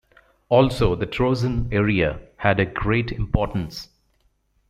Also the Troezen area had a great importance.